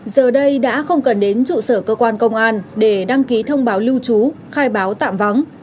giờ đây đã không cần đến trụ sở cơ quan công an để đăng ký thông báo lưu trú khai báo tạm vắng